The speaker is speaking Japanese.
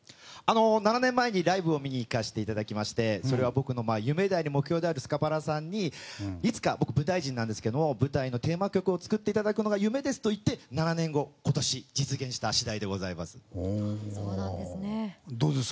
７年前にライブを見に行かせていただきましてそれは僕の夢であり目標であるスカパラさんにいつか僕、舞台人なんですけど舞台のテーマ曲を作っていただくのが夢ですと言って７年後、今年、実現しました。